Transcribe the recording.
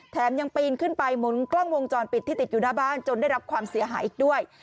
แถมยังปีนขึ้นไปหมุนกล้องวงจรปิดที่ติดอยู่หน้าบ้านจนได้รับความเสียหายอีกด้วย